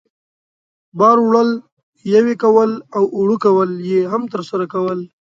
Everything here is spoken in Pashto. بار وړل، یوې کول او اوړه کول یې هم ترسره کول.